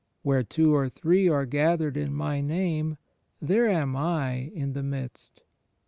"Where two or three are gathered in My Name, there am I in the midst."